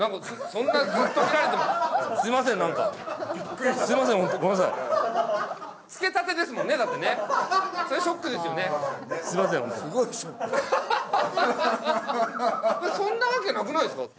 そんなわけなくないですか？